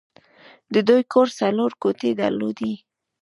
د دوی کور څلور کوټې درلودې